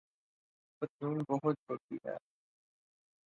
میری پتلون بہت چھوٹی ہے